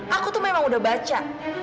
aku tuh memang udah baca